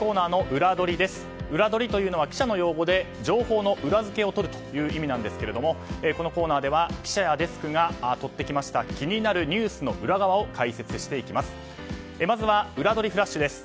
ウラどりというのは記者の用語で情報の裏付けをとるという意味なんですがこのコーナーでは記者やデスクが取ってきた気になるニュースの裏側を解説します。